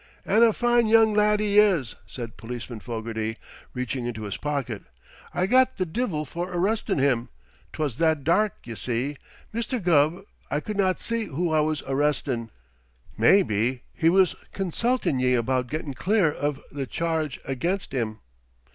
"An' a fine young lad he is!" said Policeman Fogarty, reaching into his pocket. "I got th' divvil for arristin' him. 'Twas that dark, ye see, Misther Gubb, I cud not see who I was arristin'. Maybe he was consultin' ye about gettin' clear iv th' charge ag'inst him?"